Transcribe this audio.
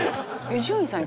伊集院さん